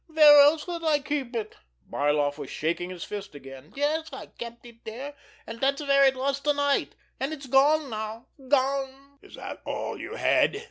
"Where else would I keep it?" Barloff was shaking his fist again. "Yes, I kept it there! And that's where it was to night—and it's gone now—gone!" "Is that all you had?"